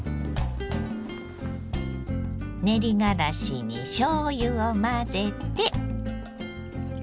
練りがらしにしょうゆを混ぜて。